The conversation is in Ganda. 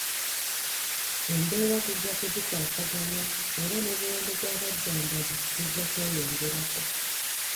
Embeera tujja kugikwasaganya era n'omuwendo gw'abajanjabi gujja kweyongerako